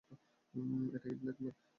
এটা কি ব্ল্যাকমেইল?